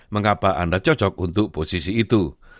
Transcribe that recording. mengapa anda cocok untuk posisi itu